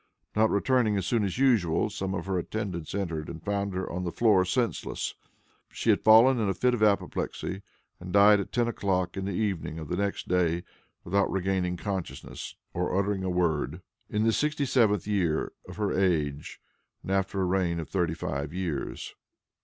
Not returning as soon as usual, some of her attendants entered and found her on the floor senseless. She had fallen in a fit of apoplexy, and died at ten o'clock in the evening of the next day without regaining consciousness or uttering a word, in the sixty seventh year of her age, and after a reign of thirty five years.